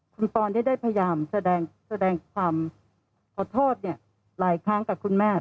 คุณปอล์เนี่ยได้พยายามแสดงแสดงความขอโทษเนี่ยหลายครั้งกับคุณแม่